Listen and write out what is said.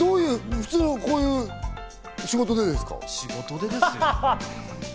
普通のこういう仕事でですか？